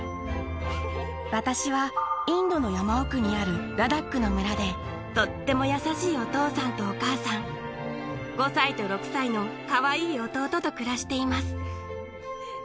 私はインドの山奥にあるラダックの村でとっても優しいお父さんとお母さん５歳と６歳のかわいい弟と暮らしています。